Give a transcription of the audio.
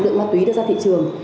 lượng ma túy đã ra thị trường